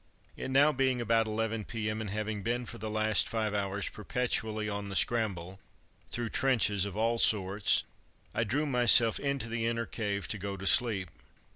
It now being about 11 p.m., and having been for the last five hours perpetually on the scramble, through trenches of all sorts, I drew myself into the inner cave to go to sleep.